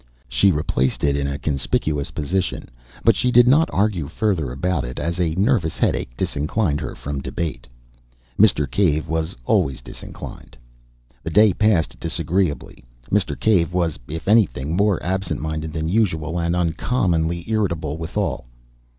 She replaced it in a conspicuous position. But she did not argue further about it, as a nervous headache disinclined her from debate. Mr. Cave was always disinclined. The day passed disagreeably. Mr. Cave was, if anything, more absent minded than usual, and uncommonly irritable withal.